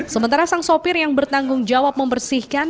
sementara sang sopir yang bertanggung jawab membersihkan